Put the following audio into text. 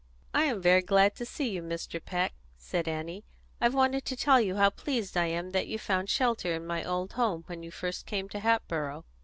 "I am very glad to see you, Mr. Peck," said Annie; "I've wanted to tell you how pleased I am that you found shelter in my old home when you first came to Hatboro'."